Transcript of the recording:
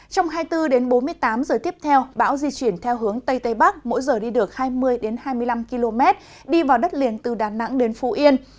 trong hai mươi bốn bốn mươi tám giờ tiếp theo bão di chuyển theo hướng tây tây bắc mỗi giờ đi được hai mươi hai mươi năm km đi vào đất liền từ đà nẵng đến phú yên